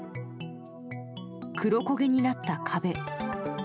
黒焦げになった壁。